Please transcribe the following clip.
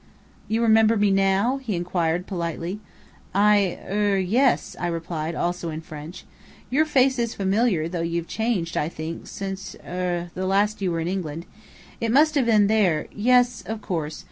"You remember me now?" he inquired politely. "I er yes," I replied, also in French. "Your face is familiar, though you've changed, I think, since er since you were in England. It must have been there yes, of course.